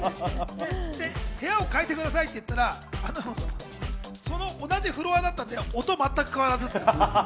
部屋を変えてくださいって言ったらその同じフロアだったので、音まったく変わらずって。